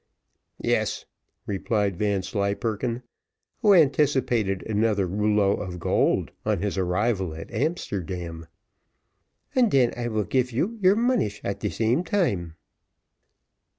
"Yes," replied Vanslyperken, who anticipated another rouleau of gold on his arrival at Amsterdam. "An den I will give you your monish at de same time."